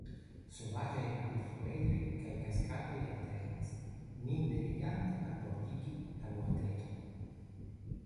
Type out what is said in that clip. Sovaĝaj rapidfluejoj kaj kaskadoj alternis, nin devigante albordigi la boateton.